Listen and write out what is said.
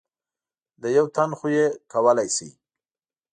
د یو تن خو یې کولای شئ .